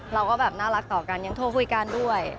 เราก็แบบน่ารักต่อกันยังโทรคุยกันด้วย